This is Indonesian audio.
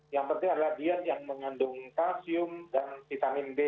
yang penting adalah diet yang mengandung kalsium dan vitamin d